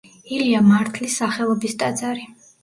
ილია მართლის სახელობის ტაძარი.